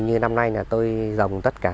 như năm nay tôi dòng tất cả